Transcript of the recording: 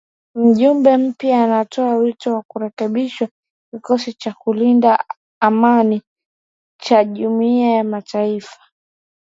Mjumbe mpya anatoa wito wa kurekebishwa kikosi cha kulinda amani cha Jumuiya ya mataifa.